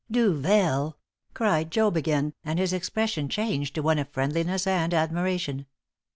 "Duvel!" cried Job again, and his expression changed to one of friendliness and admiration.